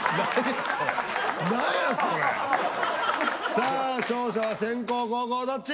さあ勝者は先攻後攻どっち？